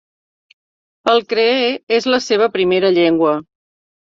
El cree és la seva primera llengua.